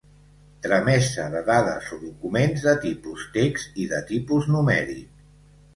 Tramesa de dades o documents de tipus text i de tipus numèric.